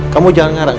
kamu jangan ngarang